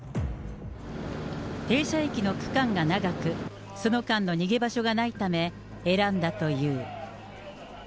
停車駅の区間が長く、その間の逃げ場所がないため、選んだという。